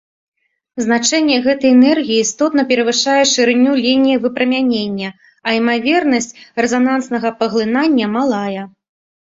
Значэнне гэтай энергіі істотна перавышае шырыню лініі выпрамянення, а імавернасць рэзананснага паглынання малая.